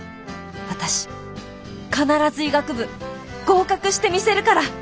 私必ず医学部合格してみせるから！